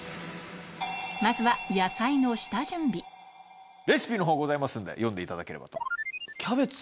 まずはレシピのほうございますので読んでいただければと。